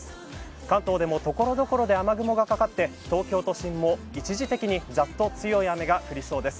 関東でも、所々で雨雲がかかって東京都心も一時的にざっと強い雨が降りそうです。